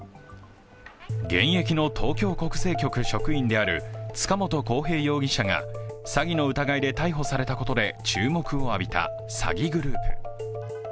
現役の東京国税局職員である塚本晃平容疑者が、詐欺の疑いで逮捕されたことで注目を浴びた詐欺グループ。